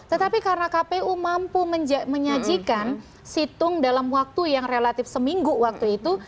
tetapi karena kpu mampu menyajikan situng dalam waktu yang relatif seminggu waktu itu